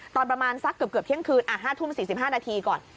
ตอนประมาณสักเกือบเที่ยงคืน๕ทุ่ม๔๕นาทีก่อน